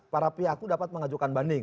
para pihak itu dapat mengajukan banding